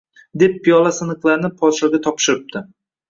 Deb piyola siniqlarini podshoga topshiribdi